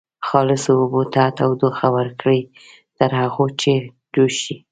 خالصو اوبو ته تودوخه ورکړئ تر هغو چې جوش شي.